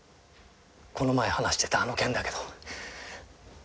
この前話してたあの件だけど。